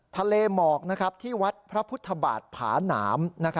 ทะเลหมอกที่วัดพระพุทธบาทผาหนาม